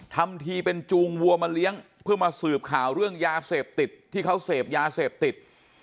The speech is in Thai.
ทำทีเป็นจูงวัวมาเลี้ยงเพื่อมาสืบข่าวเรื่องยาเสพติดที่เขาเสพยาเสพติด